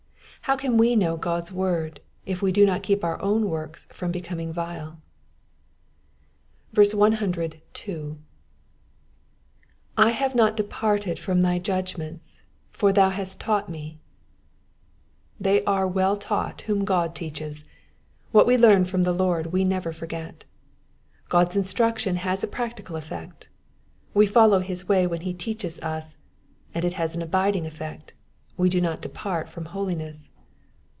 How can we keep Ood^s word if we do not keep our own works from becoming vile ? 102. / have not departed from thy judgments: for tlwu hast taught me,^^ They are well taught whom, God teaches. What we learn from the Lord we never forget. God's 'instruction has a practical effect, — we follow his way when he teaches us ; and it has an abiding effect, — we do not depart from holiness.